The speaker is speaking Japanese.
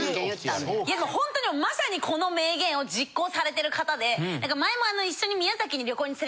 ほんとにまさにこの名言を実行されてる方で前も一緒に。